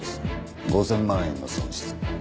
５０００万円の損失。